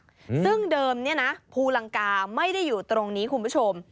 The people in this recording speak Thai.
ซึ่งเดิมเนี้ยนะภูลังกาไม่ได้อยู่ตรงนี้คุณผู้ชม